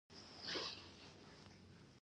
مات روان یمه له شا غــــــــږونه اورم